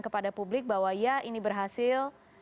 kepada publik bahwa ya ini berhasil